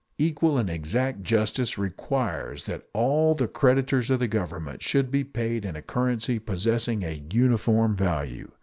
Equal and exact justice requires that all the creditors of the Government should be paid in a currency possessing a uniform value.